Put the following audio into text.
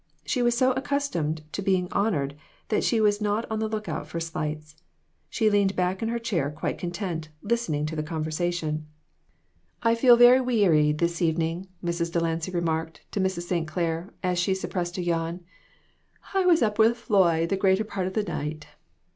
She was so accustomed to being honored that she was not on the look out for slights. She leaned back in her chair quite content, listening to the conversation. WITHOUT ARE DOGS. 265 "I feel quite weary this evening," Mrs. Del ancy remarked to Mrs. St. Clair, as she sup pressed a yawn ;" I was up with Floy the greater part of the night."